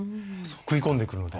食い込んでくるので。